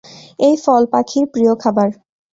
এই ফল পাখির প্রিয় খাবার।